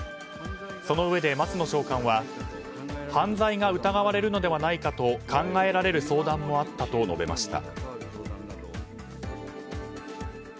そのうえで、松野長官は犯罪が疑われるのではないかと考えられる相談もあったと述べました。